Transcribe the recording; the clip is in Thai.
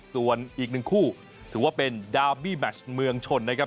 ส่วนอีกหนึ่งคู่ถือว่าเป็นดาวบี้แมชเมืองชนนะครับ